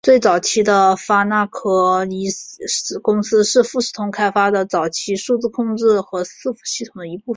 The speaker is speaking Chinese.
最早期的发那科公司是富士通开发的早期数字控制和伺服系统的一部分。